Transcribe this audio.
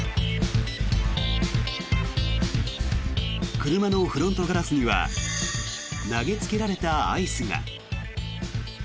車のフロントガラスには投げつけられたアイスが。